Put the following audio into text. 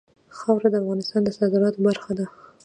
خاوره د افغانستان د صادراتو برخه ده.